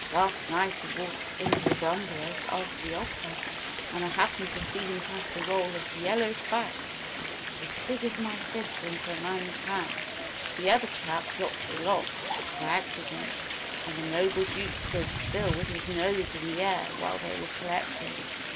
Last night he waltzed into the Grumblers after the opera, and I happened to see him pass a roll of yellow backs as big as my fist into a man's hand. The other chap dropped the lot, by accident, and the noble Duke stood still with his nose in the air while they were collected.